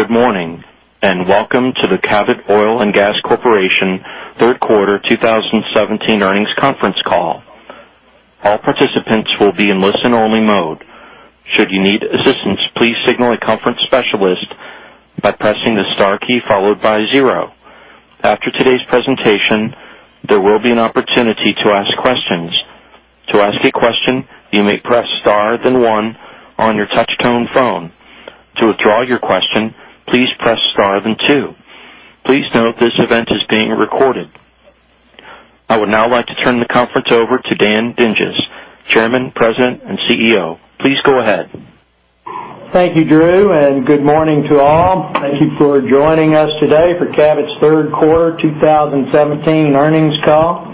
Good morning, and welcome to the Cabot Oil & Gas Corporation third quarter 2017 earnings conference call. All participants will be in listen-only mode. Should you need assistance, please signal a conference specialist by pressing the star key followed by 0. After today's presentation, there will be an opportunity to ask questions. To ask a question, you may press star then 1 on your touch-tone phone. To withdraw your question, please press star then 2. Please note this event is being recorded. I would now like to turn the conference over to Dan Dinges, Chairman, President, and CEO. Please go ahead. Thank you, Drew, and good morning to all. Thank you for joining us today for Cabot's third quarter 2017 earnings call.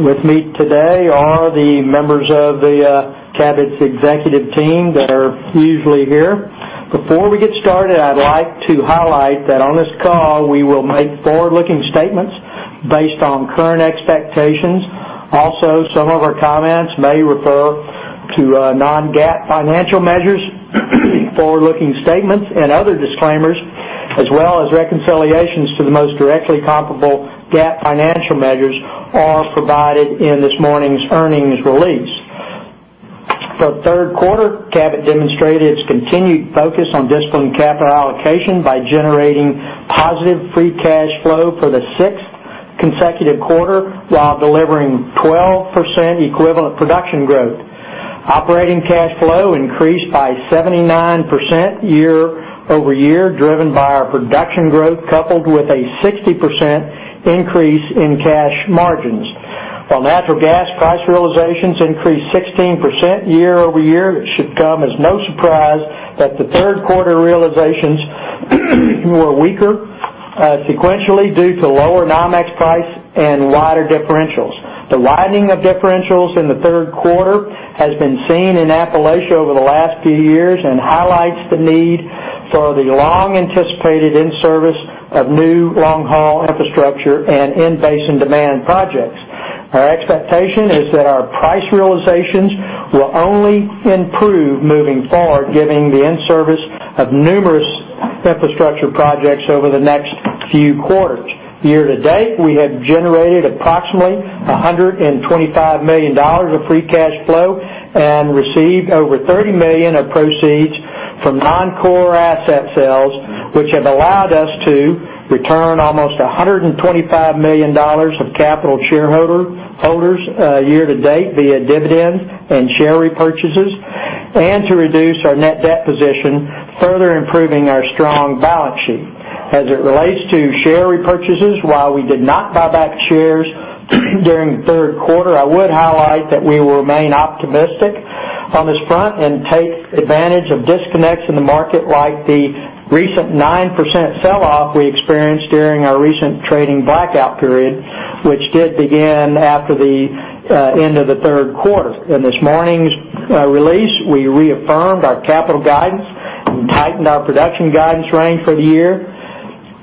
With me today are the members of the Cabot executive team that are usually here. Before we get started, I'd like to highlight that on this call, we will make forward-looking statements based on current expectations. Also, some of our comments may refer to non-GAAP financial measures. Forward-looking statements and other disclaimers, as well as reconciliations to the most directly comparable GAAP financial measures, are provided in this morning's earnings release. For third quarter, Cabot demonstrated its continued focus on disciplined capital allocation by generating positive free cash flow for the sixth consecutive quarter while delivering 12% equivalent production growth. Operating cash flow increased by 79% year-over-year, driven by our production growth, coupled with a 60% increase in cash margins. While natural gas price realizations increased 16% year-over-year, it should come as no surprise that the third quarter realizations were weaker sequentially due to lower NYMEX price and wider differentials. The widening of differentials in the third quarter has been seen in Appalachia over the last few years and highlights the need for the long-anticipated in-service of new long-haul infrastructure and in-basin demand projects. Our expectation is that our price realizations will only improve moving forward, giving the in-service of numerous infrastructure projects over the next few quarters. Year to date, we have generated approximately $125 million of free cash flow and received over $30 million of proceeds from non-core asset sales, which have allowed us to return almost $125 million of capital to shareholders year to date via dividends and share repurchases, and to reduce our net debt position, further improving our strong balance sheet. As it relates to share repurchases, while we did not buy back shares during the third quarter, I would highlight that we remain optimistic on this front and take advantage of disconnects in the market, like the recent 9% sell-off we experienced during our recent trading blackout period, which did begin after the end of the third quarter. In this morning's release, we reaffirmed our capital guidance and tightened our production guidance range for the year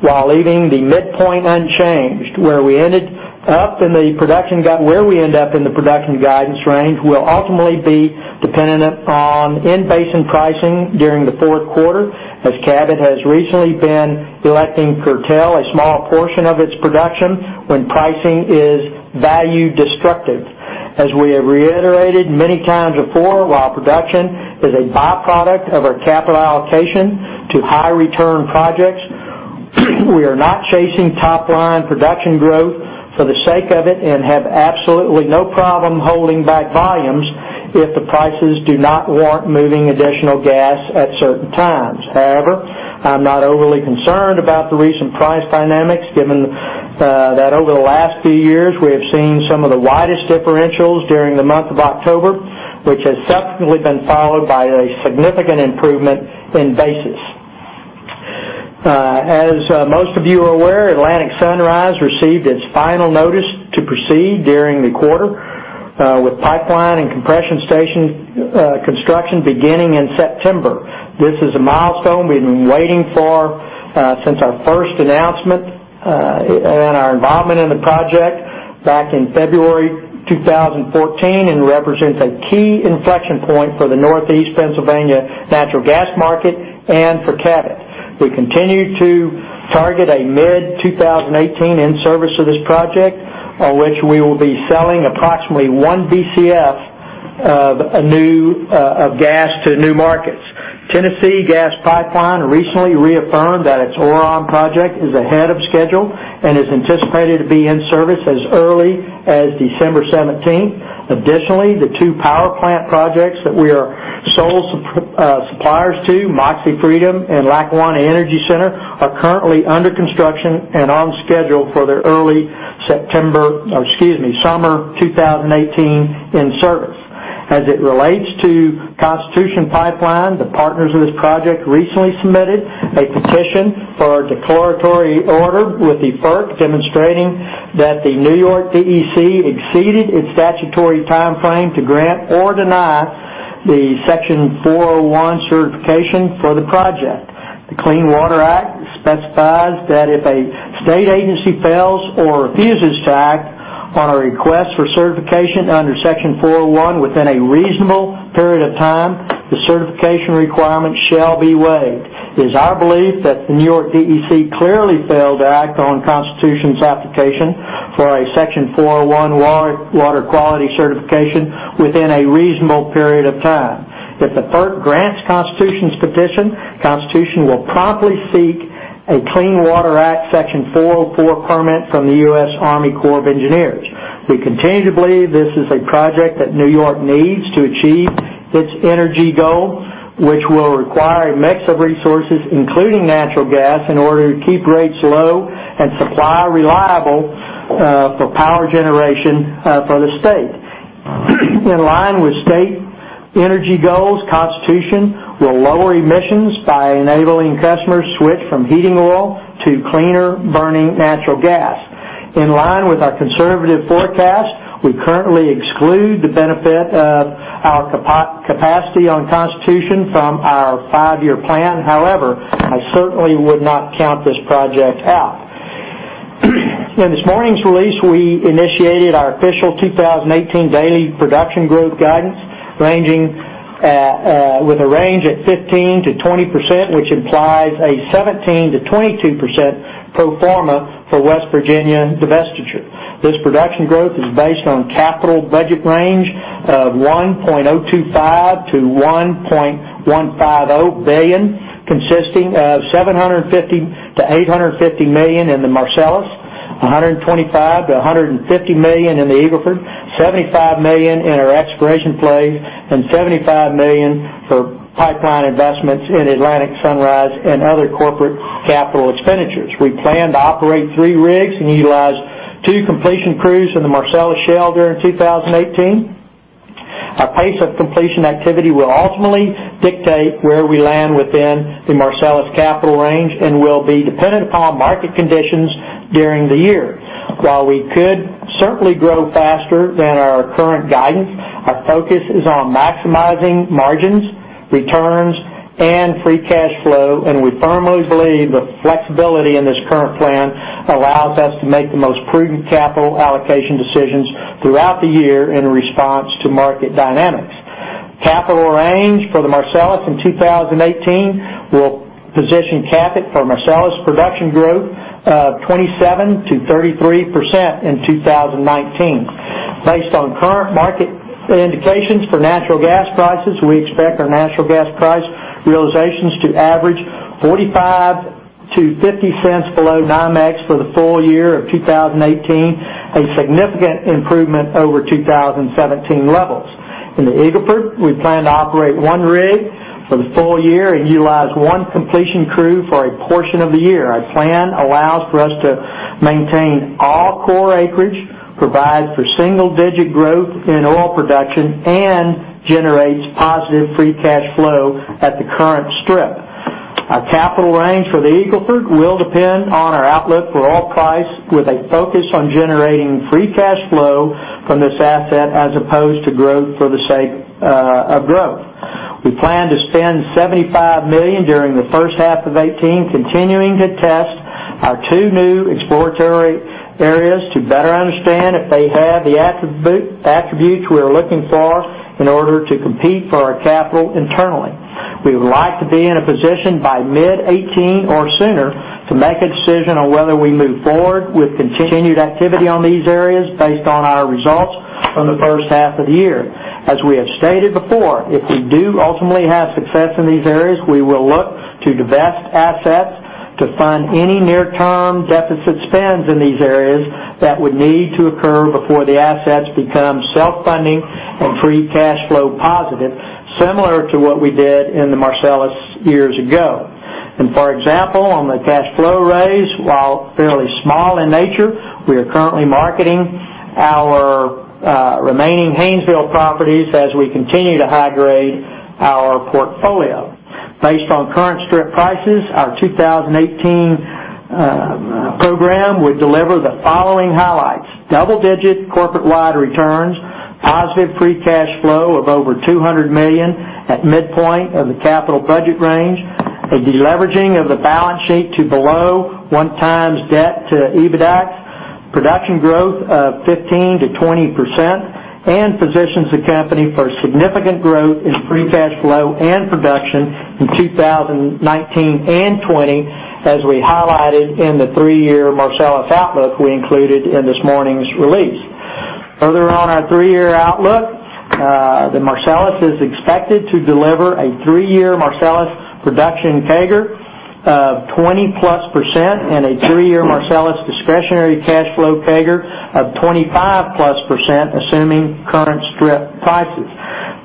while leaving the midpoint unchanged. Where we end up in the production guidance range will ultimately be dependent on in-basin pricing during the fourth quarter, as Cabot has recently been electing to curtail a small portion of its production when pricing is value destructive. As we have reiterated many times before, while production is a byproduct of our capital allocation to high-return projects, we are not chasing top-line production growth for the sake of it and have absolutely no problem holding back volumes if the prices do not warrant moving additional gas at certain times. However, I'm not overly concerned about the recent price dynamics, given that over the last few years, we have seen some of the widest differentials during the month of October, which has subsequently been followed by a significant improvement in basis. As most of you are aware, Atlantic Sunrise received its final notice to proceed during the quarter, with pipeline and compression station construction beginning in September. This is a milestone we've been waiting for since our first announcement and our involvement in the project back in February 2014 and represents a key inflection point for the Northeast Pennsylvania natural gas market and for Cabot. We continue to target a mid-2018 in-service of this project, on which we will be selling approximately one Bcf of gas to new markets. Tennessee Gas Pipeline recently reaffirmed that its Orion Project is ahead of schedule and is anticipated to be in service as early as December 17th. Additionally, the two power plant projects that we are sole suppliers to, Moxie Freedom and Lackawanna Energy Center, are currently under construction and on schedule for their early summer 2018 in-service. As it relates to Constitution Pipeline, the partners of this project recently submitted a petition for a declaratory order with the FERC demonstrating that the New York DEC exceeded its statutory timeframe to grant or deny the Section 401 certification for the project. The Clean Water Act specifies that if a state agency fails or refuses to act on a request for certification under Section 401 within a reasonable period of time, the certification requirement shall be waived. It is our belief that the New York DEC clearly failed to act on Constitution's application for a Section 401 water quality certification within a reasonable period of time. If the FERC grants Constitution's petition, Constitution will promptly seek a Clean Water Act Section 404 permit from the U.S. Army Corps of Engineers. We continue to believe this is a project that New York needs to achieve its energy goal, which will require a mix of resources, including natural gas, in order to keep rates low and supply reliable for power generation for the state. In line with state energy goals, Constitution will lower emissions by enabling customers switch from heating oil to cleaner-burning natural gas. In line with our conservative forecast, we currently exclude the benefit of our capacity on Constitution from our five-year plan. However, I certainly would not count this project out. In this morning's release, we initiated our official 2018 daily production growth guidance, with a range at 15%-20%, which implies a 17%-22% pro forma for West Virginia divestiture. This production growth is based on capital budget range of $1.025 billion-$1.150 billion, consisting of $750 million-$850 million in the Marcellus, $125 million-$150 million in the Eagle Ford, $75 million in our exploration play, and $75 million for pipeline investments in Atlantic Sunrise and other corporate capital expenditures. We plan to operate three rigs and utilize two completion crews in the Marcellus Shale during 2018. Our pace of completion activity will ultimately dictate where we land within the Marcellus capital range and will be dependent upon market conditions during the year. While we could certainly grow faster than our current guidance, our focus is on maximizing margins, returns, and free cash flow, and we firmly believe the flexibility in this current plan allows us to make the most prudent capital allocation decisions throughout the year in response to market dynamics. Capital range for the Marcellus in 2018 will position Cabot for Marcellus production growth of 27%-33% in 2019. Based on current market indications for natural gas prices, we expect our natural gas price realizations to average $0.45-$0.50 below NYMEX for the full year of 2018, a significant improvement over 2017 levels. In the Eagle Ford, we plan to operate one rig for the full year and utilize one completion crew for a portion of the year. Our plan allows for us to maintain all core acreage, provide for single-digit growth in oil production, and generates positive free cash flow at the current strip. Our capital range for the Eagle Ford will depend on our outlook for oil price, with a focus on generating free cash flow from this asset as opposed to growth for the sake of growth. We plan to spend $75 million during the first half of 2018 continuing to test our two new exploratory areas to better understand if they have the attributes we're looking for in order to compete for our capital internally. We would like to be in a position by mid-2018 or sooner to make a decision on whether we move forward with continued activity on these areas based on our results from the first half of the year. As we have stated before, if we do ultimately have success in these areas, we will look to divest assets to fund any near-term deficit spends in these areas that would need to occur before the assets become self-funding and free cash flow positive, similar to what we did in the Marcellus years ago. For example, on the cash flow raise, while fairly small in nature, we are currently marketing our remaining Haynesville properties as we continue to high-grade our portfolio. Based on current strip prices, our 2018 program would deliver the following highlights: double-digit corporate-wide returns, positive free cash flow of over $200 million at midpoint of the capital budget range, a deleveraging of the balance sheet to below 1x debt to EBITDA, production growth of 15%-20%, and positions the company for significant growth in free cash flow and production in 2019 and 2020, as we highlighted in the three-year Marcellus outlook we included in this morning's release. Further on our three-year outlook, the Marcellus is expected to deliver a three-year Marcellus production CAGR of 20%+ and a three-year Marcellus discretionary cash flow CAGR of 25%+, assuming current strip prices.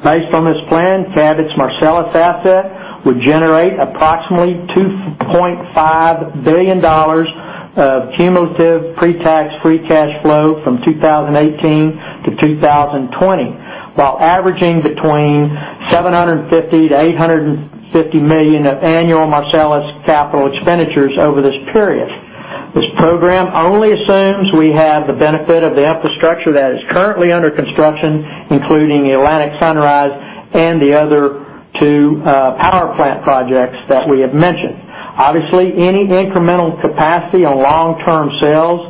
Based on this plan, Cabot's Marcellus asset would generate approximately $2.5 billion of cumulative pre-tax free cash flow from 2018 to 2020, while averaging between $750 million to $850 million of annual Marcellus capital expenditures over this period. This program only assumes we have the benefit of the infrastructure that is currently under construction, including the Atlantic Sunrise and the other To power plant projects that we have mentioned. Obviously, any incremental capacity on long-term sales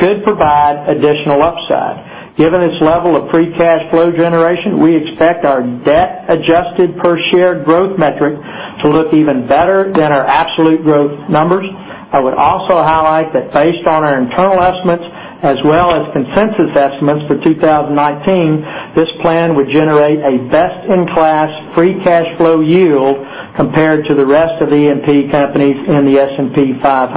could provide additional upside. Given this level of free cash flow generation, we expect our debt-adjusted per-share growth metric to look even better than our absolute growth numbers. I would also highlight that based on our internal estimates as well as consensus estimates for 2019, this plan would generate a best-in-class free cash flow yield compared to the rest of the E&P companies in the S&P 500.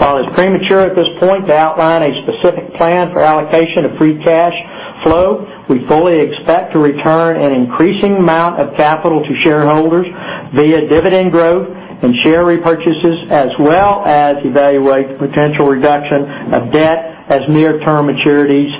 While it's premature at this point to outline a specific plan for allocation of free cash flow, we fully expect to return an increasing amount of capital to shareholders via dividend growth and share repurchases, as well as evaluate the potential reduction of debt as near-term maturities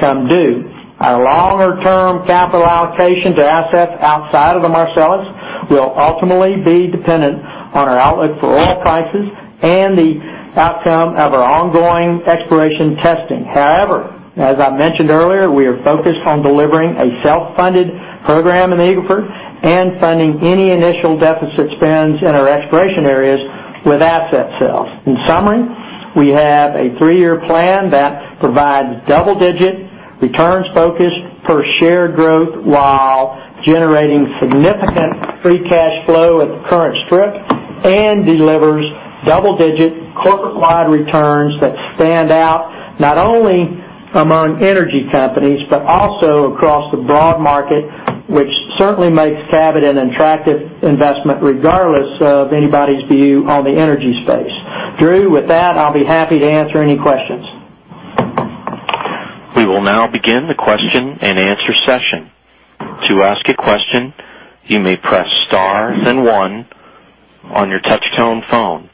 come due. Our longer-term capital allocation to assets outside of the Marcellus will ultimately be dependent on our outlook for oil prices and the outcome of our ongoing exploration testing. However, as I mentioned earlier, we are focused on delivering a self-funded program in the Eagle Ford and funding any initial deficit spends in our exploration areas with asset sales. In summary, we have a three-year plan that provides double-digit returns focused per share growth while generating significant free cash flow at the current strip and delivers double-digit corporate-wide returns that stand out not only among energy companies but also across the broad market, which certainly makes Cabot an attractive investment regardless of anybody's view on the energy space. Drew, with that, I'll be happy to answer any questions. We will now begin the question-and-answer session. To ask a question, you may press star then one on your touch-tone phone.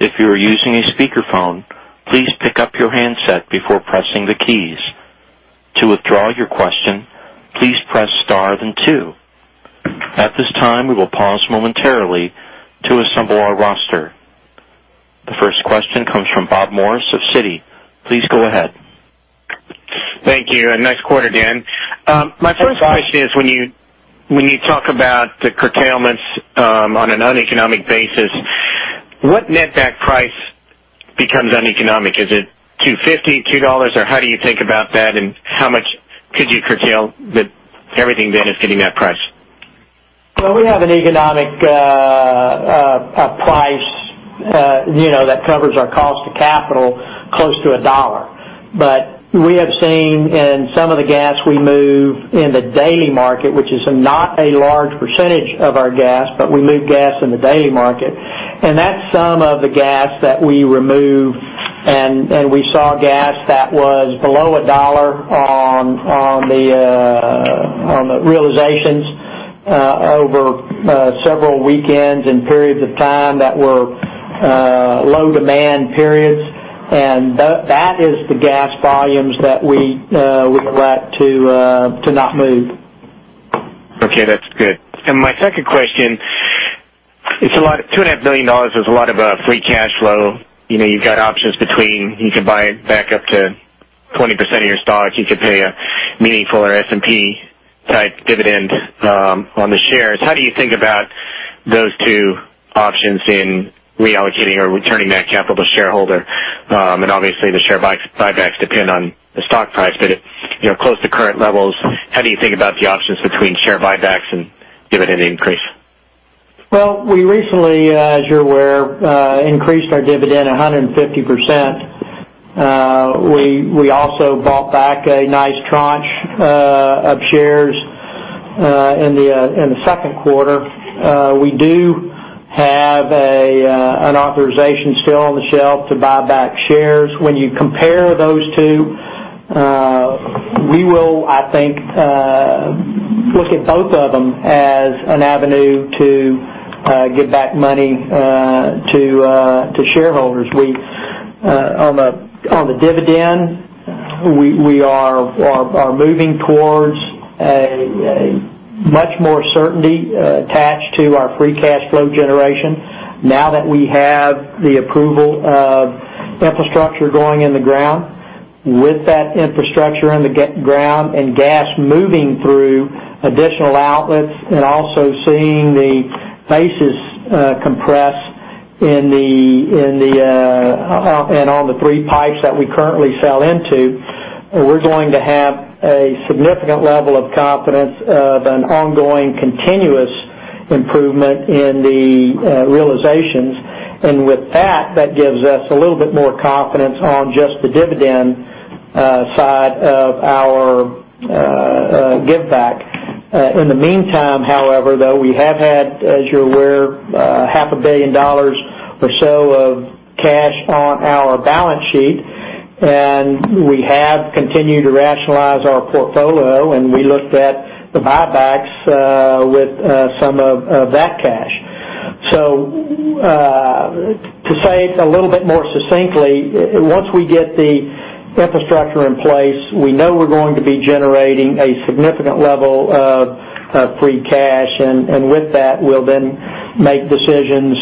If you are using a speakerphone, please pick up your handset before pressing the keys. To withdraw your question, please press star then two. At this time, we will pause momentarily to assemble our roster. The first question comes from Bob Morris of Citi. Please go ahead. Thank you. Nice quarter, Dan. Thanks, Bob. My first question is, when you talk about the curtailments on an uneconomic basis, what netback price becomes uneconomic? Is it $2.50, $2, or how do you think about that? How much could you curtail that everything then is hitting that price? Well, we have an economic price that covers our cost to capital close to a dollar. We have seen in some of the gas we move in the day market, which is not a large percentage of our gas, but we move gas in the day market, and that's some of the gas that we remove, and we saw gas that was below a dollar on the realizations over several weekends and periods of time that were low demand periods. That is the gas volumes that we would elect to not move. Okay, that's good. My second question, $2.5 billion is a lot of free cash flow. You've got options between you could buy back up to 20% of your stock. You could pay a meaningful S&P type dividend on the shares. How do you think about those two options in reallocating or returning that capital to shareholder? Obviously, the share buybacks depend on the stock price, but close to current levels, how do you think about the options between share buybacks and dividend increase? Well, we recently, as you're aware, increased our dividend 150%. We also bought back a nice tranche of shares in the second quarter. We do have an authorization still on the shelf to buy back shares. When you compare those two, we will, I think, look at both of them as an avenue to give back money to shareholders. On the dividend, we are moving towards a much more certainty attached to our free cash flow generation now that we have the approval of infrastructure going in the ground. With that infrastructure in the ground and gas moving through additional outlets and also seeing the basis compress and on the three pipes that we currently sell into, we're going to have a significant level of confidence of an ongoing, continuous improvement in the realizations. With that gives us a little bit more confidence on just the dividend side of our give back. In the meantime, however, though, we have had, as you're aware, half a billion dollars or so of cash on our balance sheet, and we have continued to rationalize our portfolio, and we looked at the buybacks with some of that cash. To say it a little bit more succinctly, once we get the infrastructure in place, we know we're going to be generating a significant level of free cash, and with that, we'll then make decisions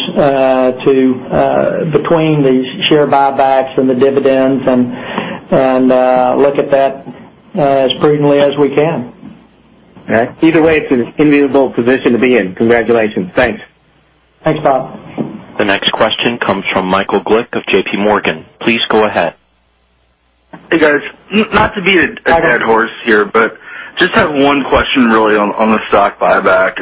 between the share buybacks and the dividends and look at that as prudently as we can. Okay. Either way, it's an enviable position to be in. Congratulations. Thanks. Thanks, Bob. The next question comes from Michael Glick of JPMorgan. Please go ahead. Hey, guys. Not to beat a- Hi, Michael. Dead horse here. Just have one question really on the stock buyback.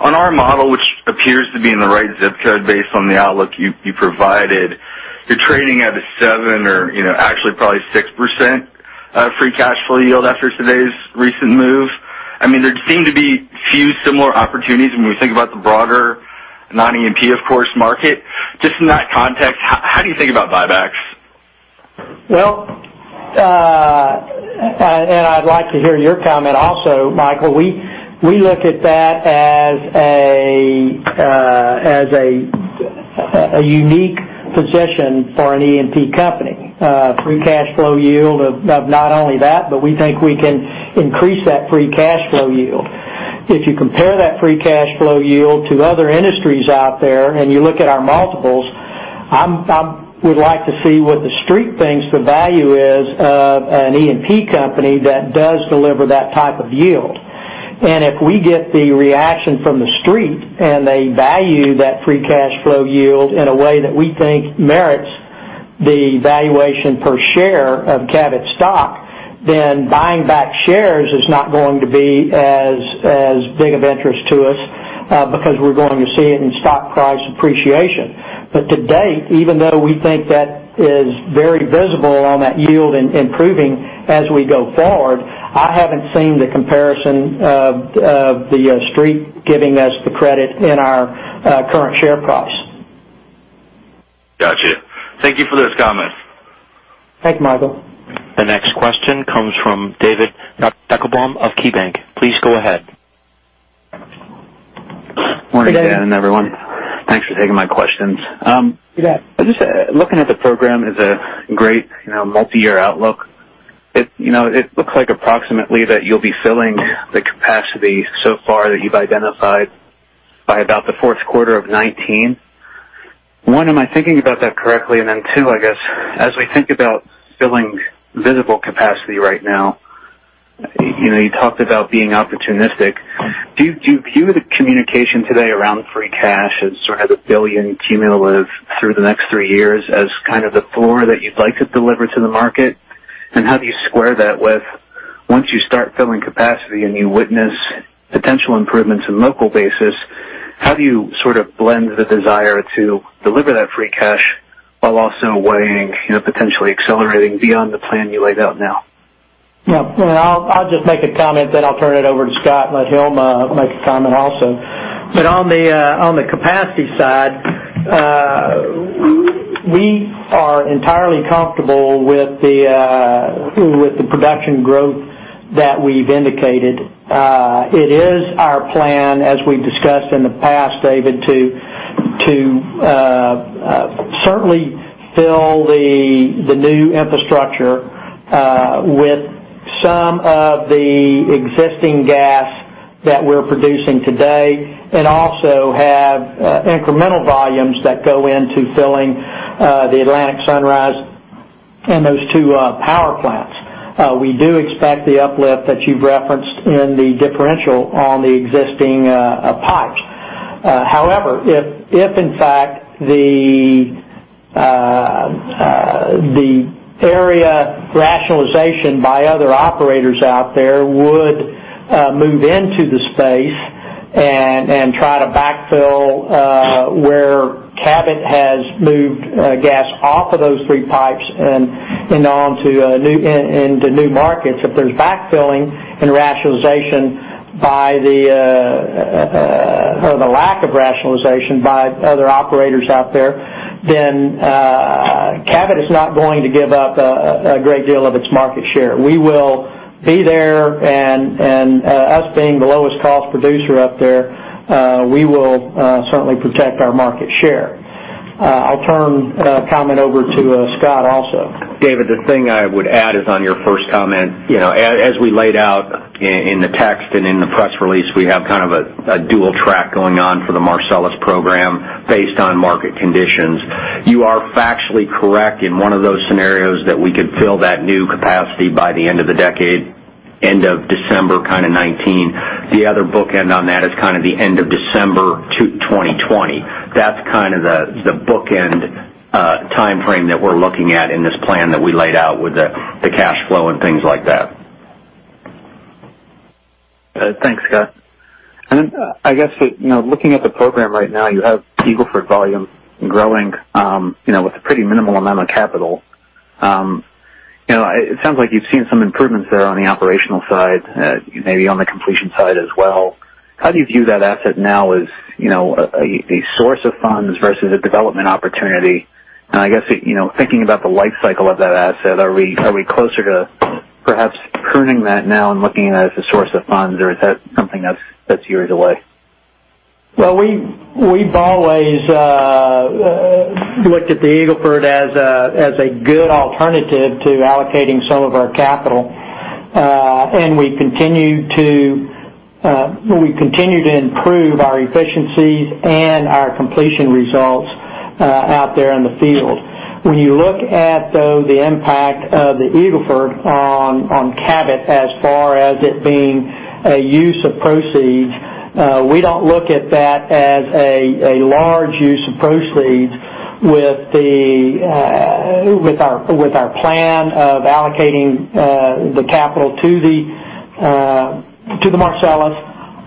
On our model, which appears to be in the right ZIP code based on the outlook you provided, you're trading at a 7% or actually probably 6% free cash flow yield after today's recent move. There seem to be few similar opportunities when we think about the broader non-E&P, of course, market. In that context, how do you think about buybacks? I'd like to hear your comment also, Michael. We look at that as a unique position for an E&P company. Free cash flow yield of not only that, we think we can increase that free cash flow yield. If you compare that free cash flow yield to other industries out there, you look at our multiples, I would like to see what the Street thinks the value is of an E&P company that does deliver that type of yield. If we get the reaction from the Street, and they value that free cash flow yield in a way that we think merits the valuation per share of Cabot stock, buying back shares is not going to be as big of interest to us, because we're going to see it in stock price appreciation. To date, even though we think that is very visible on that yield improving as we go forward, I haven't seen the comparison of the Street giving us the credit in our current share price. Got you. Thank you for those comments. Thanks, Michael. The next question comes from David Deckelbaum of KeyBanc. Please go ahead. Morning, Dan, everyone. Thanks for taking my questions. You bet. Just looking at the program as a great multi-year outlook. It looks like approximately that you'll be filling the capacity so far that you've identified by about the fourth quarter of 2019. One, am I thinking about that correctly? Two, I guess, as we think about filling visible capacity right now, you talked about being opportunistic. Do you view the communication today around free cash as sort of a $1 billion cumulative through the next three years as kind of the floor that you'd like to deliver to the market? How do you square that with once you start filling capacity and you witness potential improvements in local basis, how do you sort of blend the desire to deliver that free cash while also weighing potentially accelerating beyond the plan you laid out now? Yeah. I'll just make a comment, then I'll turn it over to Scott and let him make a comment also. On the capacity side, we are entirely comfortable with the production growth that we've indicated. It is our plan, as we've discussed in the past, David, to certainly fill the new infrastructure with some of the existing gas that we're producing today and also have incremental volumes that go into filling the Atlantic Sunrise and those two power plants. We do expect the uplift that you've referenced in the differential on the existing pipes. However, if in fact the area rationalization by other operators out there would move into the space and try to backfill where Cabot has moved gas off of those three pipes and onto new markets, if there's backfilling or the lack of rationalization by other operators out there, Cabot is not going to give up a great deal of its market share. We will be there and us being the lowest cost producer out there, we will certainly protect our market share. I'll turn a comment over to Scott also. David, the thing I would add is on your first comment. As we laid out in the text and in the press release, we have kind of a dual track going on for the Marcellus program based on market conditions. You are factually correct in one of those scenarios that we could fill that new capacity by the end of the decade, end of December kind of 2019. The other bookend on that is the end of December 2020. That's the bookend timeframe that we're looking at in this plan that we laid out with the cash flow and things like that. Thanks, Scott. I guess looking at the program right now, you have Eagle Ford volume growing with a pretty minimal amount of capital. It sounds like you've seen some improvements there on the operational side, maybe on the completion side as well. How do you view that asset now as a source of funds versus a development opportunity? I guess, thinking about the life cycle of that asset, are we closer to perhaps pruning that now and looking at it as a source of funds, or is that something that's years away? Well, we've always looked at the Eagle Ford as a good alternative to allocating some of our capital. We continue to improve our efficiencies and our completion results out there in the field. When you look at, though, the impact of the Eagle Ford on Cabot as far as it being a use of proceeds, we don't look at that as a large use of proceeds with our plan of allocating the capital to the Marcellus.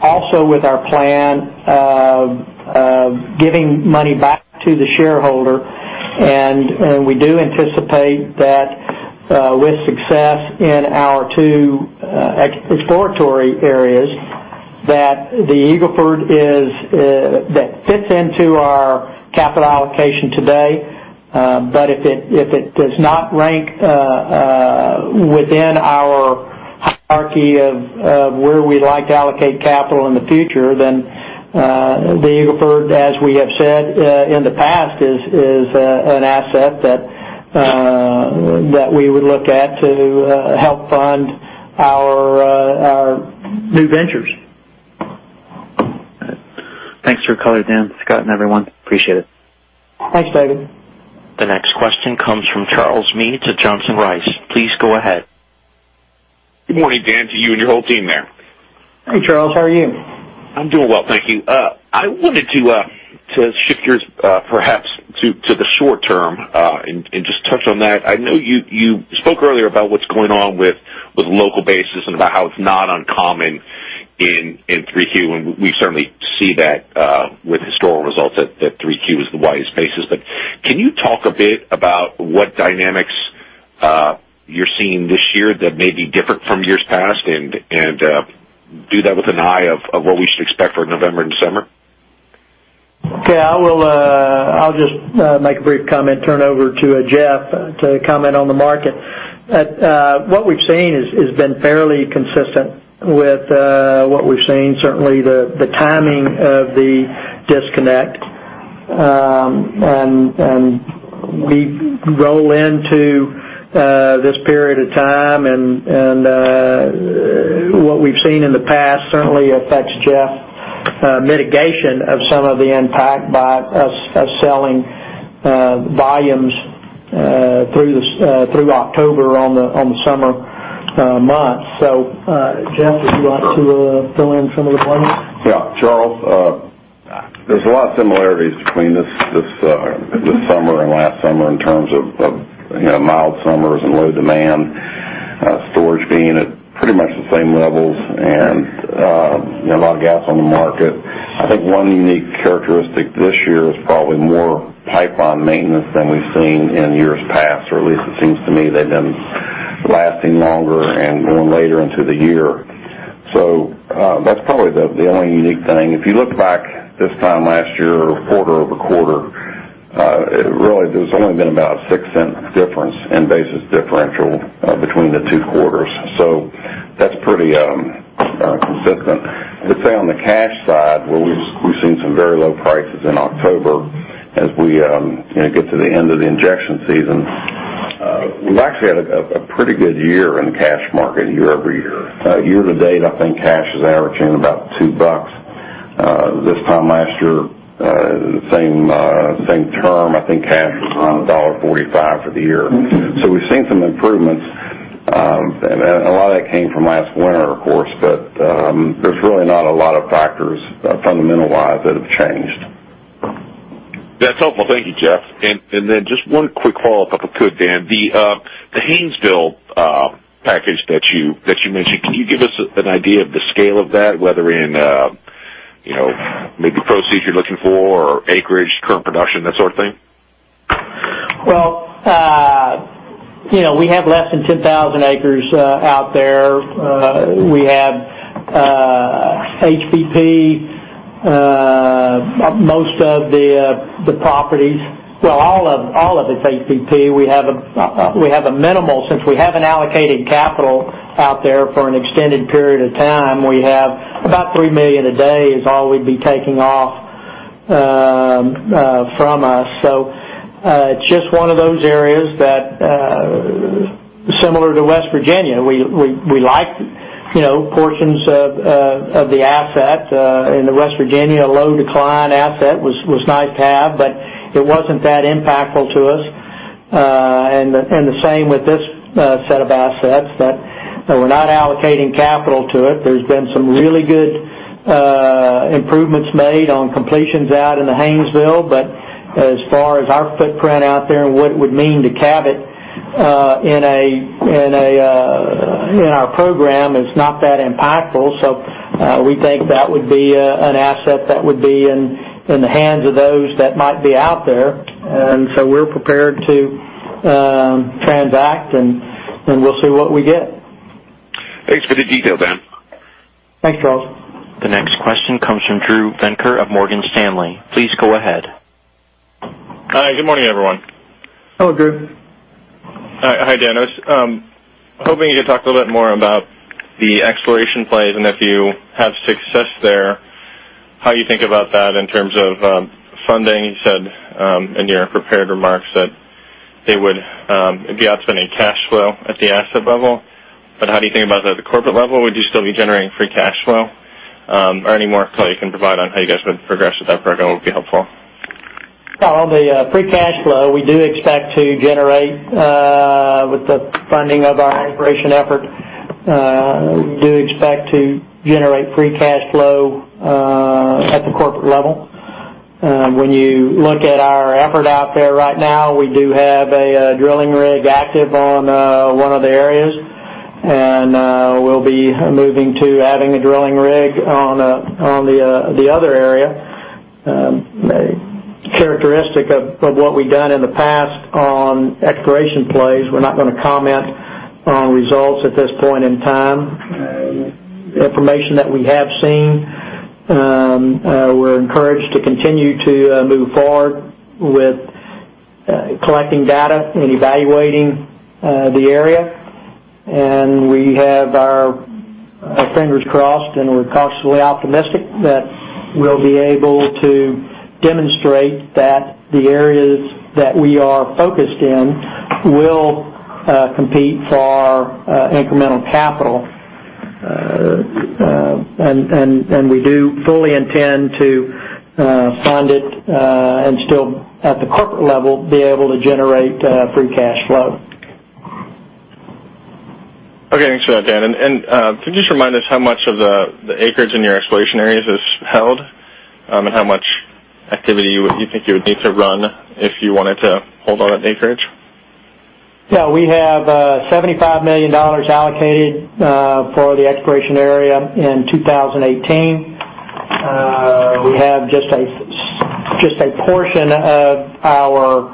Also with our plan of giving money back to the shareholder. We do anticipate that with success in our two exploratory areas, that the Eagle Ford fits into our capital allocation today. If it does not rank within our hierarchy of where we'd like to allocate capital in the future, the Eagle Ford, as we have said in the past, is an asset that we would look at to help fund our new ventures. Thanks for the color, Dan, Scott, and everyone. Appreciate it. Thanks, David. The next question comes from Charles Meade at Johnson Rice. Please go ahead. Good morning, Dan, to you and your whole team there. Hey, Charles. How are you? I'm doing well, thank you. I wanted to shift gears perhaps to the short term, and just touch on that. I know you spoke earlier about what's going on with local basis and about how it's not uncommon in Q3, and we certainly see that with historical results that Q3 is the widest basis. Can you talk a bit about what dynamics you're seeing this year that may be different from years past, and do that with an eye of what we should expect for November and December? Okay. I'll just make a brief comment, turn over to Jeff to comment on the market. What we've seen has been fairly consistent with what we've seen. Certainly the timing of the disconnect. We roll into this period of time, and what we've seen in the past certainly affects Jeff's mitigation of some of the impact by us selling volumes through October on the summer months. Jeff, would you like to fill in some of the blanks? Yeah. Charles, there's a lot of similarities between this summer and last summer in terms of mild summers and low demand. Storage being at pretty much the same levels and a lot of gas on the market. I think one unique characteristic this year is probably more pipeline maintenance than we've seen in years past, or at least it seems to me they've been lasting longer and going later into the year. That's probably the only unique thing. If you look back this time last year or quarter-over-quarter, really, there's only been about a $0.06 difference in basis differential between the two quarters. That's pretty consistent. I'd say on the cash side, where we've seen some very low prices in October as we get to the end of the injection season. We've actually had a pretty good year in the cash market year-over-year. Year-to-date, I think cash is averaging about $2.00. This time last year, the same term, I think cash was around $1.45 for the year. We've seen some improvements. A lot of that came from last winter, of course, but there's really not a lot of factors fundamental-wise that have changed. That's helpful. Thank you, Jeff. Then just one quick follow-up if I could, Dan. The Haynesville package that you mentioned, can you give us an idea of the scale of that, whether in maybe proceeds you're looking for or acreage, current production, that sort of thing? Well, we have less than 10,000 acres out there. We have HBP, most of the properties. Well, all of it's HBP. Since we haven't allocated capital out there for an extended period of time, we have about 3 million a day is all we'd be taking off from us. It's just one of those areas that is similar to West Virginia. We like portions of the asset in West Virginia. A low decline asset was nice to have, but it wasn't that impactful to us. The same with this set of assets, that we're not allocating capital to it. There's been some really good improvements made on completions out into Haynesville, but as far as our footprint out there and what it would mean to Cabot in our program is not that impactful. We think that would be an asset that would be in the hands of those that might be out there. We're prepared to transact, and we'll see what we get. Thanks for the detail, Dan. Thanks, Charles. The next question comes from Drew Venker of Morgan Stanley. Please go ahead. Hi. Good morning, everyone. Hello, Drew. Hi, Dan. I was hoping you could talk a little bit more about the exploration plays, and if you have success there, how you think about that in terms of funding? You said in your prepared remarks that it would be outspending cash flow at the asset level. How do you think about that at the corporate level? Would you still be generating free cash flow? Any more color you can provide on how you guys would progress with that program would be helpful. On the free cash flow, we do expect to generate with the funding of our exploration effort. We do expect to generate free cash flow at the corporate level. When you look at our effort out there right now, we do have a drilling rig active on one of the areas, and we'll be moving to adding a drilling rig on the other area. Characteristic of what we've done in the past on exploration plays, we're not going to comment on results at this point in time. Information that we have seen, we're encouraged to continue to move forward with collecting data and evaluating the area. We have our fingers crossed, and we're cautiously optimistic that we'll be able to demonstrate that the areas that we are focused in will compete for incremental capital. We do fully intend to fund it, and still, at the corporate level, be able to generate free cash flow. Okay. Thanks for that, Dan. Could you just remind us how much of the acreage in your exploration areas is held and how much activity you think you would need to run if you wanted to hold on that acreage? Yeah. We have $75 million allocated for the exploration area in 2018. We have just a portion of our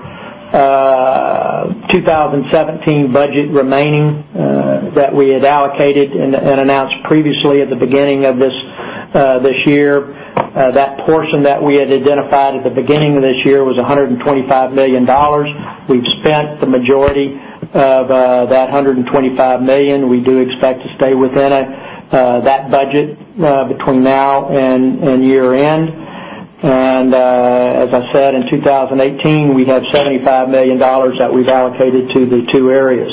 2017 budget remaining that we had allocated and announced previously at the beginning of this year. That portion that we had identified at the beginning of this year was $125 million. We've spent the majority of that $125 million. We do expect to stay within that budget between now and year-end. As I said, in 2018, we have $75 million that we've allocated to the two areas.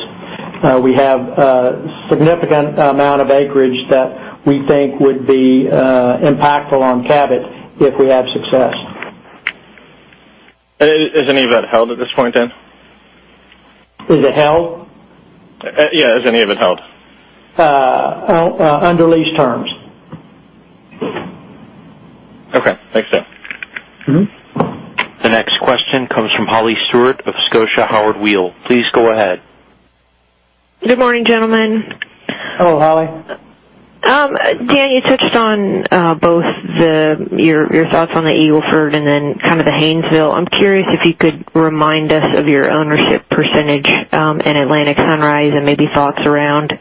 We have a significant amount of acreage that we think would be impactful on Cabot if we have success. Is any of that held at this point in? Is it held? Yeah. Is any of it held? Under lease terms. Okay. Thanks, Dan. The next question comes from Holly Stewart of Scotia Howard Weil. Please go ahead. Good morning, gentlemen. Hello, Holly. Dan, you touched on both your thoughts on the Eagle Ford then kind of the Haynesville. I'm curious if you could remind us of your ownership percentage in Atlantic Sunrise and maybe thoughts around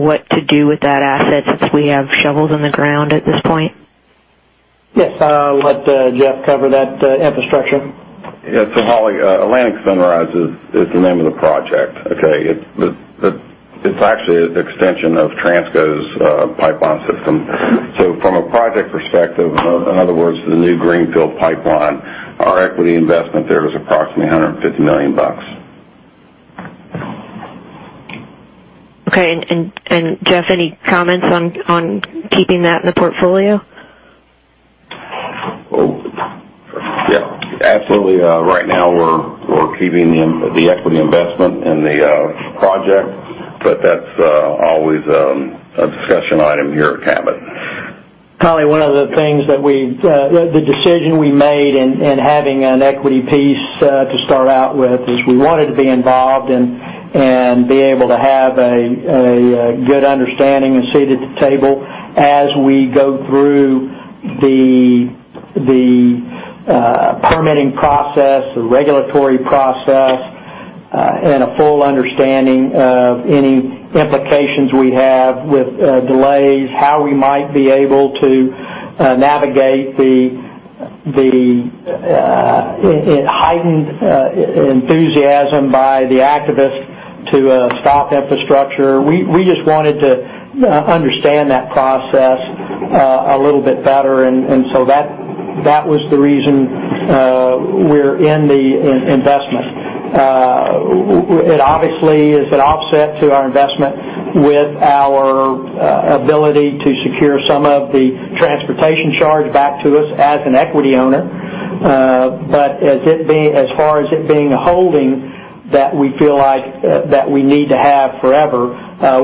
what to do with that asset since we have shovels in the ground at this point. Yes. We'll let Jeff cover that infrastructure. Holly, Atlantic Sunrise is the name of the project. Okay? It's actually an extension of Transco's pipeline system. From a project perspective, in other words, the new greenfield pipeline, our equity investment there is approximately $150 million. Okay. Jeff, any comments on keeping that in the portfolio? Yeah. Absolutely. Right now we're keeping the equity investment in the project, that's always a discussion item here at Cabot. Holly, one of the things that the decision we made in having an equity piece to start out with is we wanted to be involved and be able to have a good understanding, a seat at the table as we go through the permitting process, the regulatory process, and a full understanding of any implications we have with delays, how we might be able to navigate the heightened enthusiasm by the activists to stop infrastructure. We just wanted to understand that process a little bit better, that was the reason we're in the investment. It obviously is an offset to our investment with our ability to secure some of the transportation charge back to us as an equity owner. As far as it being a holding that we feel like that we need to have forever,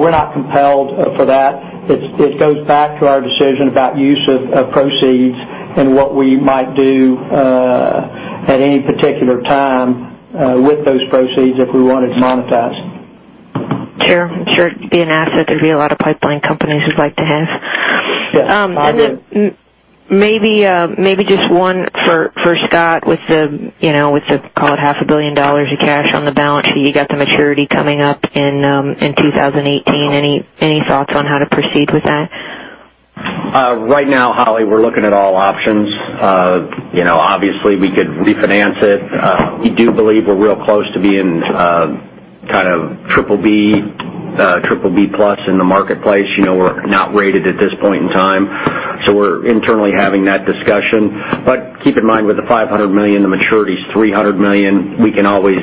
we're not compelled for that. It goes back to our decision about use of proceeds and what we might do at any particular time with those proceeds if we wanted to monetize. Sure. I'm sure it'd be an asset that'd be a lot of pipeline companies would like to have. Yeah. Maybe just one for Scott with the, call it half a billion dollars of cash on the balance sheet. You got the maturity coming up in 2018. Any thoughts on how to proceed with that? Right now, Holly, we're looking at all options. Obviously we could refinance it. We do believe we're real close to being Kind of BBB+ in the marketplace. We're not rated at this point in time, so we're internally having that discussion. Keep in mind, with the $500 million, the maturity is $300 million. We can always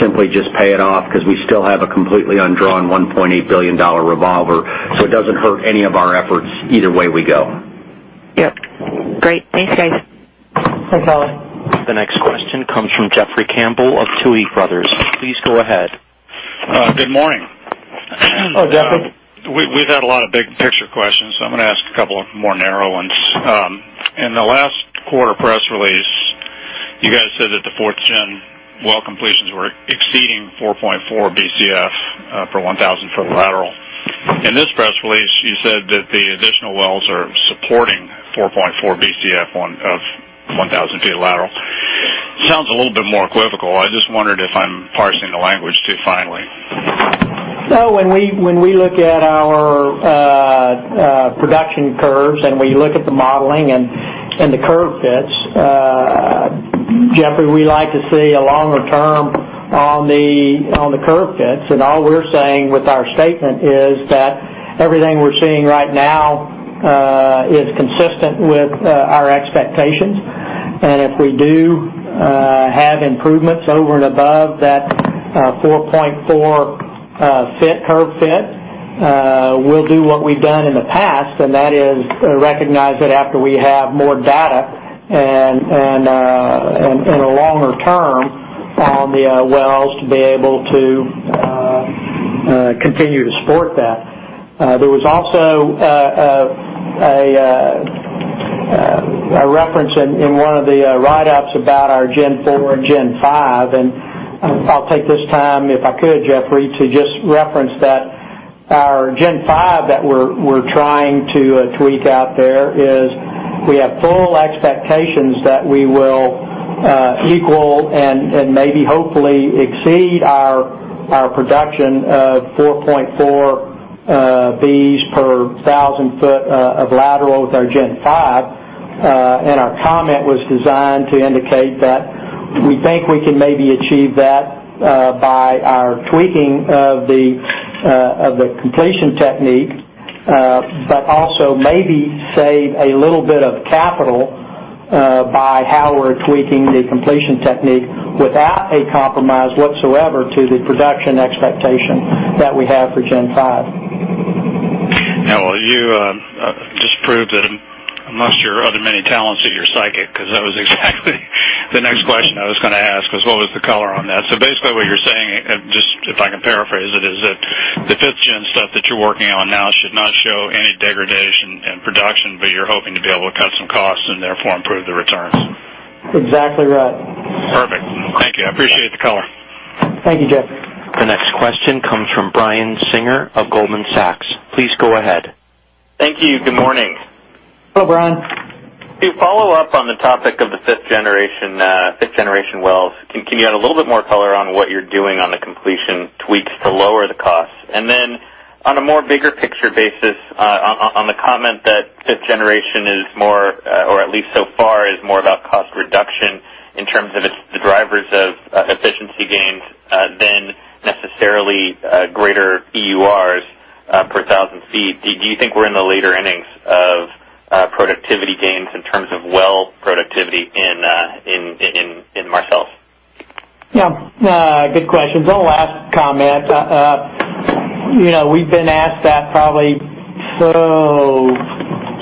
simply just pay it off because we still have a completely undrawn $1.8 billion revolver, so it doesn't hurt any of our efforts either way we go. Yep. Great. Thanks, guys. Thanks, Holly. The next question comes from Jeffrey Campbell of Tuohy Brothers. Please go ahead. Good morning. Hello, Jeffrey. We've had a lot of big-picture questions. I'm going to ask a couple of more narrow ones. In the last quarter press release, you guys said that the Gen 4 well completions were exceeding 4.4 Bcf for 1,000-foot lateral. In this press release, you said that the additional wells are supporting 4.4 Bcf of 1,000-foot lateral. Sounds a little bit more equivocal. I just wondered if I'm parsing the language too finely. No, when we look at our production curves. We look at the modeling and the curve fits, Jeffrey, we like to see a longer term on the curve fits. All we're saying with our statement is that everything we're seeing right now is consistent with our expectations. If we do have improvements over and above that 4.4 curve fit, we'll do what we've done in the past, and that is recognize that after we have more data and a longer term on the wells to be able to continue to support that. There was also a reference in one of the write-ups about our Gen 4 and Gen 5. I'll take this time, if I could, Jeffrey, to just reference that our Gen 5 that we're trying to tweak out there is we have full expectations that we will equal and maybe hopefully exceed our production of 4.4 Bcf per 1,000-foot of lateral with our Gen 5. Our comment was designed to indicate that we think we can maybe achieve that by our tweaking of the completion technique, but also maybe save a little bit of capital by how we're tweaking the completion technique without a compromise whatsoever to the production expectation that we have for Gen 5. Well, you just proved that amongst your other many talents that you're psychic, because that was exactly the next question I was going to ask was, what was the color on that? Basically, what you're saying, if I can paraphrase it, is that the Gen 5 stuff that you're working on now should not show any degradation in production, but you're hoping to be able to cut some costs and therefore improve the returns. Exactly right. Perfect. Thank you. I appreciate the color. Thank you, Jeffrey. The next question comes from Brian Singer of Goldman Sachs. Please go ahead. Thank you. Good morning. Hello, Brian. To follow up on the topic of the fifth generation wells, can you add a little bit more color on what you're doing on the completion tweaks to lower the cost? Then on a more bigger picture basis, on the comment that fifth generation is more, or at least so far, is more about cost reduction in terms of the drivers of efficiency gains than necessarily greater EURs per 1,000 feet. Do you think we're in the later innings of productivity gains in terms of well productivity in Marcellus? Yeah. Good questions. On the last comment, we've been asked that probably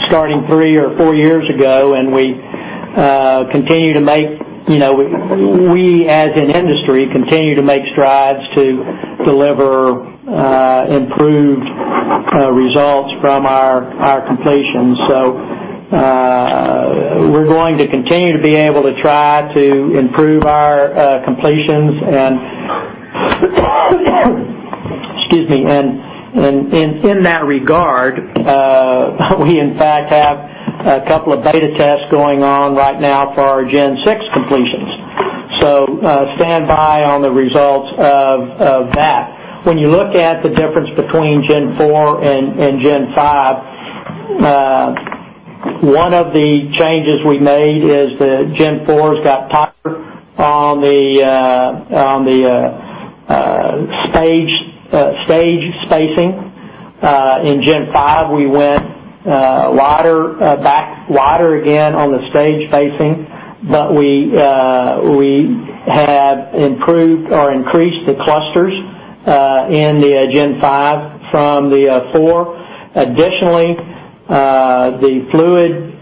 starting three or four years ago, we, as an industry, continue to make strides to deliver improved results from our completions. We're going to continue to be able to try to improve our completions. Excuse me, and in that regard, we in fact, have a couple of beta tests going on right now for our Gen 6 completions. Stand by on the results of that. When you look at the difference between Gen 4 and Gen 5, one of the changes we made is that Gen 4's got tighter on the stage spacing. In Gen 5, we went back wider again on the stage spacing, but we have improved or increased the clusters in the Gen 5 from the four. Additionally, the fluid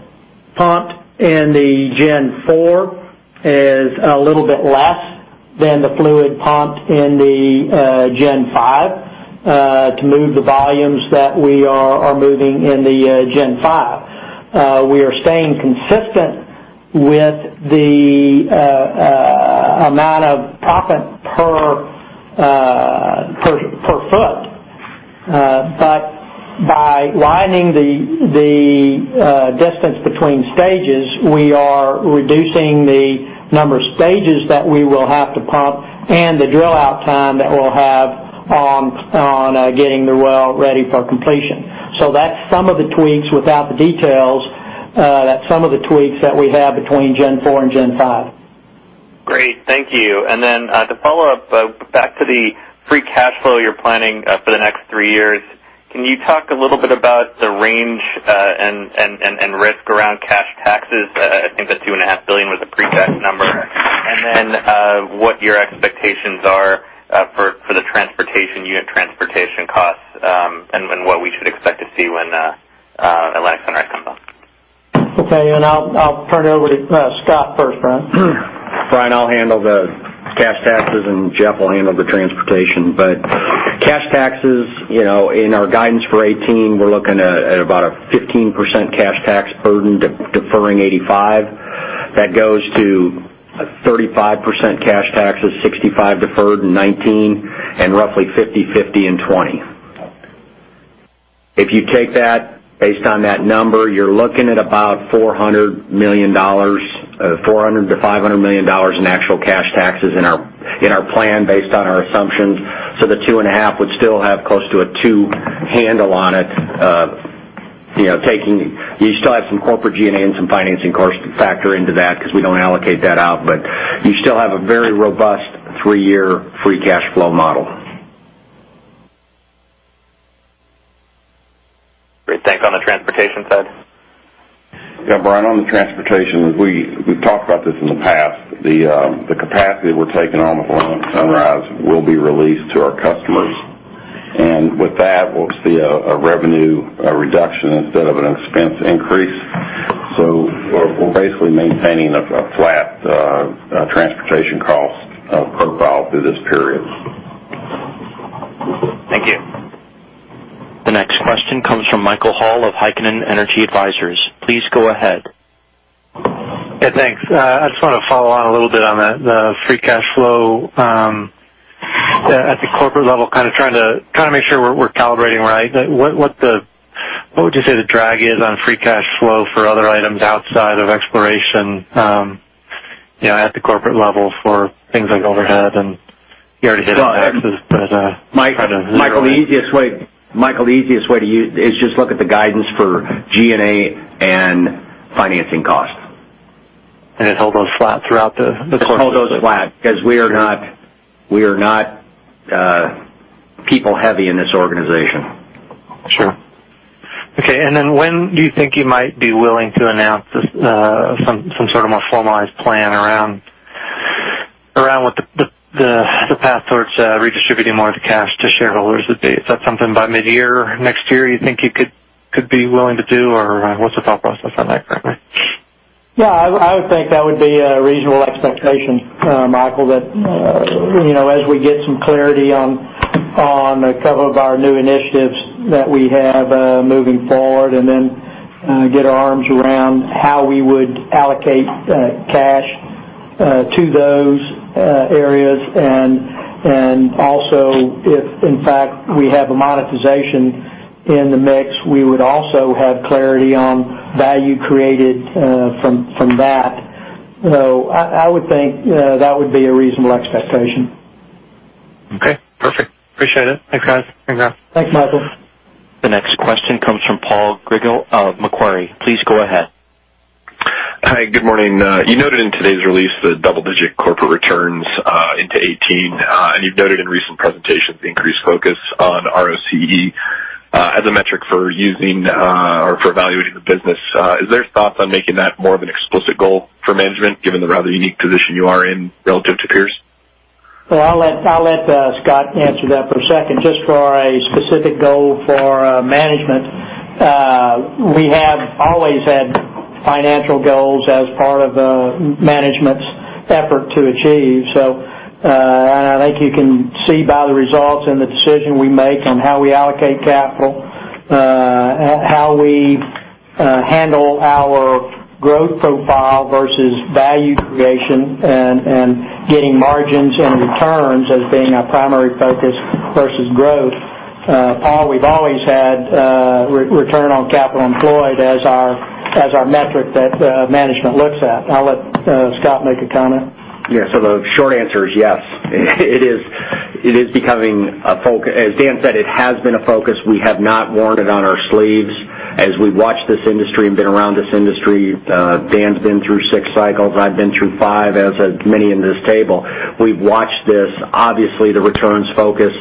pumped in the Gen 4 is a little bit less than the fluid pumped in the Gen 5 to move the volumes that we are moving in the Gen 5. We are staying consistent with the amount of pump per foot. By widening the distance between stages, we are reducing the number of stages that we will have to pump and the drill out time that we'll have on getting the well ready for completion. That's some of the tweaks that we have between Gen 4 and Gen 5. Great. Thank you. To follow up, back to the free cash flow you're planning for the next three years, can you talk a little bit about the range and risk around cash taxes? I think the $2.5 billion was a pre-tax number. What your expectations are for the transportation unit, transportation costs and what we should expect to see when Atlantic Sunrise comes up. Okay. I'll turn it over to Scott first, Brian. Brian, I'll handle the cash taxes, and Jeff will handle the transportation. Cash taxes, in our guidance for 2018, we're looking at about a 15% cash tax burden, deferring 85%. That goes to 35% cash taxes, 65% deferred in 2019, and roughly 50/50 in 2020. If you take that based on that number, you're looking at about $400 million-$500 million in actual cash taxes in our plan based on our assumptions. The two and a half would still have close to a two handle on it. You still have some corporate G&A and some financing costs to factor into that because we don't allocate that out, but you still have a very robust three-year free cash flow model. Great. Thanks. On the transportation side? Yeah, Brian, on the transportation, we've talked about this in the past. The capacity we're taking on with Atlantic Sunrise will be released to our customers. With that, we'll see a revenue reduction instead of an expense increase. We're basically maintaining a flat transportation cost profile through this period. Thank you. The next question comes from Michael Hall of Heikkinen Energy Advisors. Please go ahead. Yeah, thanks. I just want to follow on a little bit on the free cash flow at the corporate level, trying to make sure we're calibrating right. What would you say the drag is on free cash flow for other items outside of exploration at the corporate level for things like overhead, and you already hit on taxes? Michael, the easiest way to you is just look at the guidance for G&A and financing costs. It held those flat throughout the course. It held those flat because we are not people heavy in this organization. Sure. Okay. When do you think you might be willing to announce some sort of more formalized plan around what the path towards redistributing more of the cash to shareholders would be? Is that something by mid-year next year you think you could be willing to do? What's the thought process on that currently? Yeah, I would think that would be a reasonable expectation, Michael, that as we get some clarity on a couple of our new initiatives that we have moving forward, get our arms around how we would allocate cash to those areas, if in fact we have a monetization in the mix, we would also have clarity on value created from that. I would think that would be a reasonable expectation. Okay, perfect. Appreciate it. Thanks, guys. Thanks, Michael. The next question comes from Paul Gego of Macquarie. Please go ahead. Hi. Good morning. You noted in today's release the double-digit corporate returns into 2018. You've noted in recent presentations the increased focus on ROCE as a metric for using or for evaluating the business. Is there thoughts on making that more of an explicit goal for management given the rather unique position you are in relative to peers? Well, I'll let Scott answer that for a second. Just for a specific goal for management, we have always had financial goals as part of management's effort to achieve. I think you can see by the results and the decision we make on how we allocate capital, how we handle our growth profile versus value creation and getting margins and returns as being our primary focus versus growth. Paul, we've always had return on capital employed as our metric that management looks at. I'll let Scott make a comment. Yeah. The short answer is yes. As Dan said, it has been a focus. We have not worn it on our sleeves. As we've watched this industry and been around this industry, Dan's been through six cycles, I've been through five, as have many in this table. We've watched this. Obviously, the returns focus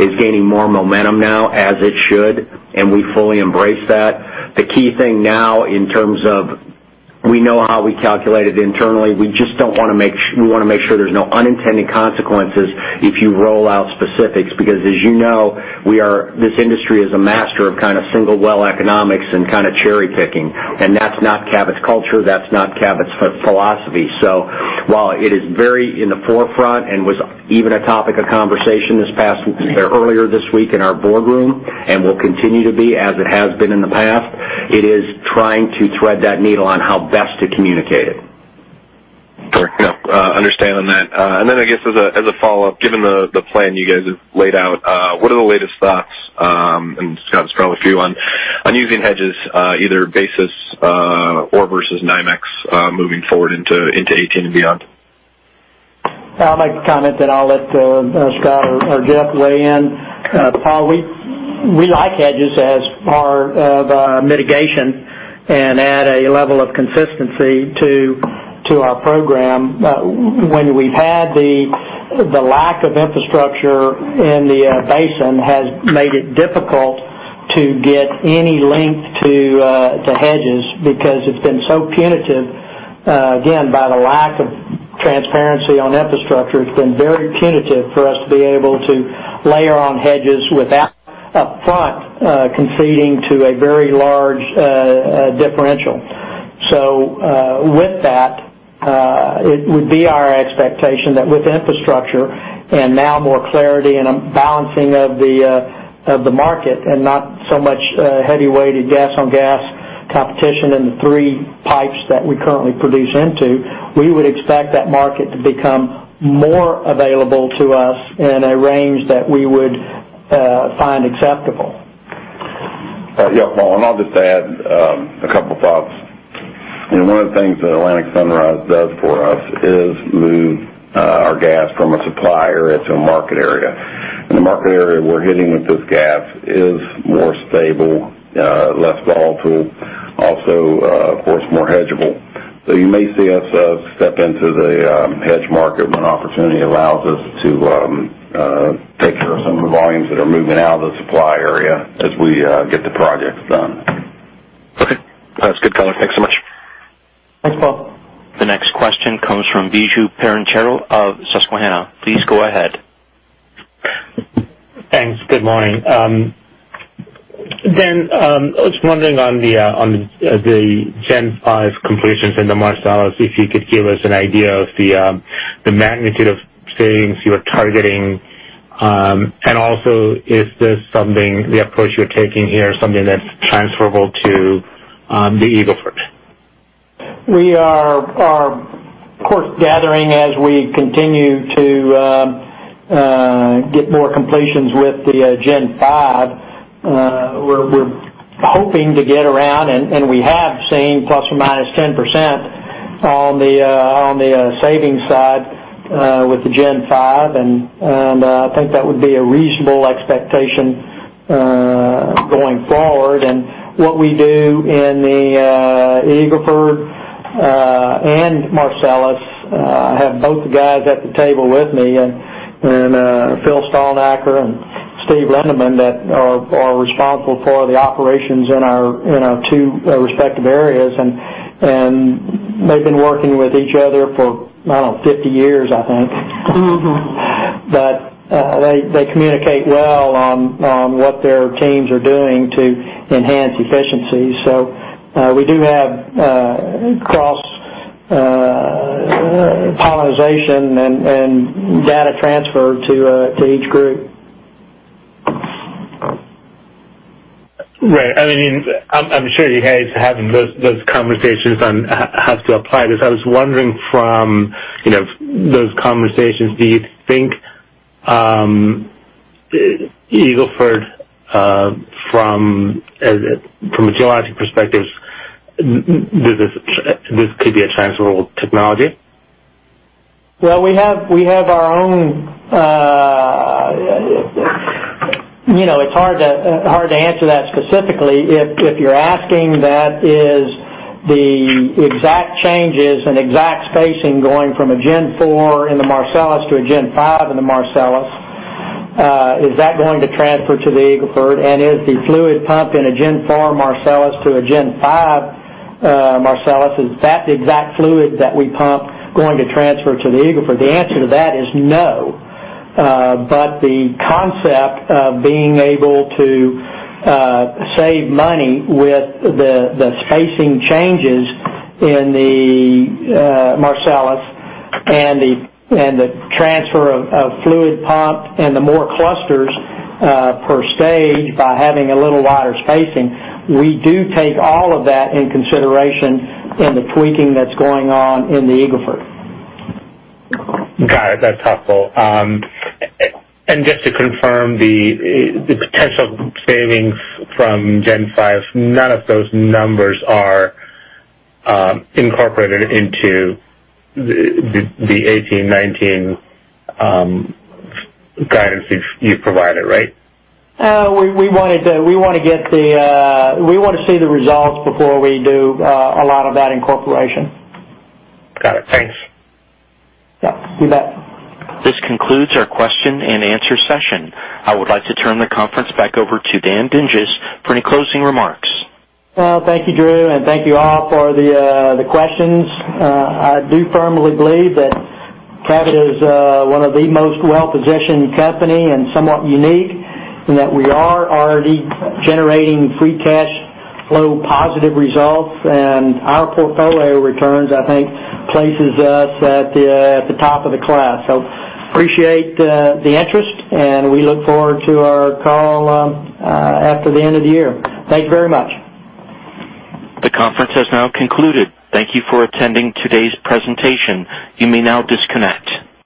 is gaining more momentum now, as it should, and we fully embrace that. The key thing now in terms of we know how we calculate it internally, we want to make sure there's no unintended consequences if you roll out specifics, because as you know, this industry is a master of single well economics and cherry-picking, and that's not Cabot's culture, that's not Cabot's philosophy. While it is very in the forefront and was even a topic of conversation earlier this week in our boardroom and will continue to be as it has been in the past, it is trying to thread that needle on how best to communicate it. Sure. Yeah. Understanding that. Then I guess as a follow-up, given the plan you guys have laid out, what are the latest thoughts, and Scott, this is probably for you, on using hedges either basis or versus NYMEX moving forward into 2018 and beyond? I'll make a comment, then I'll let Scott or Jeff weigh in. Paul, we like hedges as part of our mitigation and add a level of consistency to our program. When we've had the lack of infrastructure in the basin has made it difficult to get any link to hedges because it's been so punitive. Again, by the lack of transparency on infrastructure, it's been very punitive for us to be able to layer on hedges without upfront conceding to a very large differential. With that, it would be our expectation that with infrastructure and now more clarity and a balancing of the market and not so much heavy-weighted gas-on-gas competition in the three pipes that we currently produce into, we would expect that market to become more available to us in a range that we would find acceptable. Yeah. Paul, I'll just add a couple thoughts. One of the things that Atlantic Sunrise does for us is move our gas from a supplier into a market area. The market area we're hitting with this gas is more stable, less volatile, also, of course, more hedgeable. You may see us step into the hedge market when opportunity allows us to take care of some of the volumes that are moving out of the supply area as we get the projects done. Okay. That's good color. Thanks so much. Thanks, Paul. The next question comes from Biju Perincheril of Susquehanna. Please go ahead. Thanks. Good morning. Dan, I was wondering on the Gen 5 completions in the Marcellus, if you could give us an idea of the magnitude of savings you are targeting. Also, is the approach you're taking here something that's transferable to the Eagle Ford? We are, of course, gathering as we continue to get more completions with the Gen 5. We're hoping to get around, and we have seen ±10% on the savings side with the Gen 5, and I think that would be a reasonable expectation going forward. What we do in the Eagle Ford and Marcellus, I have both the guys at the table with me, Phil Stalnaker and Steve Lindeman, that are responsible for the operations in our two respective areas. They've been working with each other for, I don't know, 50 years, I think. They communicate well on what their teams are doing to enhance efficiency. We do have cross-pollenization and data transfer to each group. Right. I'm sure you guys are having those conversations on how to apply this. I was wondering from those conversations, do you think Eagle Ford, from a geological perspective, this could be a transferable technology? Well, it's hard to answer that specifically. If you're asking that is the exact changes and exact spacing going from a Gen 4 in the Marcellus to a Gen 5 in the Marcellus, is that going to transfer to the Eagle Ford? Is the fluid pumped in a Gen 4 Marcellus to a Gen 5 Marcellus, is that the exact fluid that we pump going to transfer to the Eagle Ford? The answer to that is no. The concept of being able to save money with the spacing changes in the Marcellus and the transfer of fluid pumped and the more clusters per stage by having a little wider spacing, we do take all of that in consideration in the tweaking that's going on in the Eagle Ford. Got it. That's helpful. Just to confirm the potential savings from Gen 5, none of those numbers are incorporated into the 2018, 2019 guidance you've provided, right? We want to see the results before we do a lot of that incorporation. Got it. Thanks. Yeah. You bet. This concludes our question and answer session. I would like to turn the conference back over to Dan Dinges for any closing remarks. Well, thank you, Drew. Thank you all for the questions. I do firmly believe that Cabot is one of the most well-positioned company and somewhat unique in that we are already generating free cash flow positive results, and our portfolio returns, I think places us at the top of the class. Appreciate the interest, and we look forward to our call after the end of the year. Thank you very much. The conference has now concluded. Thank you for attending today's presentation. You may now disconnect.